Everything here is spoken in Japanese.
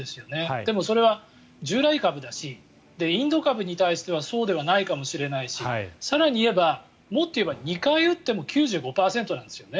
でも、それは従来株だしインド株に対してはそうではないかもしれないし更に言えば、もっと言えば２回打っても９５％なんですよね。